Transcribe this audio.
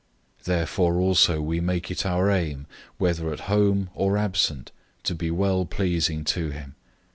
005:009 Therefore also we make it our aim, whether at home or absent, to be well pleasing to him.